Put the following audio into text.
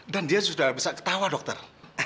dia sudah bisa ketawa dokter